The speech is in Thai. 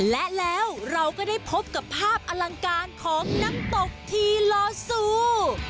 และแล้วเราก็ได้พบกับภาพอลังการของน้ำตกทีลอซู